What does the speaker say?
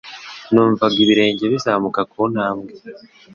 Numvaga ibirenge bizamuka kuntambwe